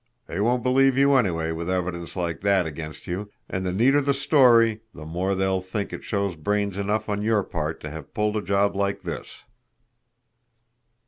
They won't believe you anyway with evidence like that against you and the neater the story the more they'll think it shows brains enough on your part to have pulled a job like this!"